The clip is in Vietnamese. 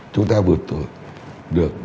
chúng ta vượt được